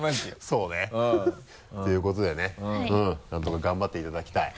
そうね ということでね何とか頑張っていただきたい。